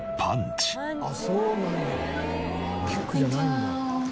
キックじゃないんだ。